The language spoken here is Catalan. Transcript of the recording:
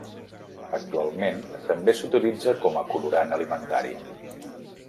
Actualment també s'utilitza com a colorant alimentari.